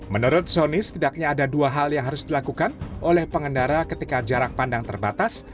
menurut soni setidaknya ada dua hal yang harus dilakukan oleh pengendara ketika jarak pandang terbatas